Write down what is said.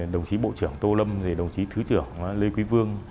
đồng chí bộ trưởng tô lâm đồng chí thứ trưởng lê quý vương